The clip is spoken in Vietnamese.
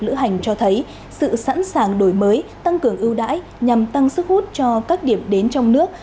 lữ hành cho thấy sự sẵn sàng đổi mới tăng cường ưu đãi nhằm tăng sức hút cho các điểm đến trong nước